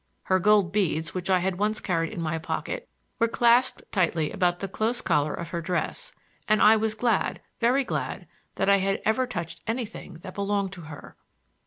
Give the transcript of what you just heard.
Her gold beads, which I had once carried in my pocket, were clasped tight about the close collar of her dress; and I was glad, very glad, that I had ever touched anything that belonged to her.